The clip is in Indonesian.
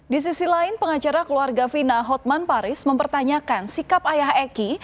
di sisi lain pengacara keluarga fina hotman paris mempertanyakan sikap ayah eki